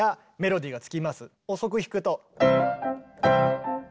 遅く弾くと。